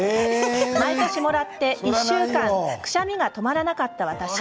毎年もらって１週間くしゃみが止まらなかった私。